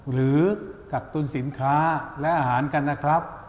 กักตุ้นสินค้าและอาหารกันนะครับ